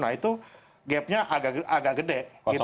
nah itu gapnya agak gede